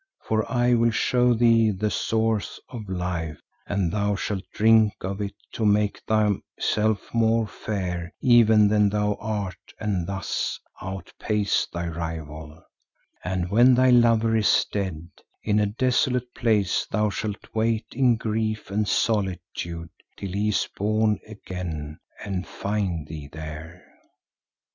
For I will show thee the Source of Life and thou shalt drink of it to make thyself more fair even than thou art and thus outpace thy rival, and when thy lover is dead, in a desolate place thou shalt wait in grief and solitude till he is born again and find thee there.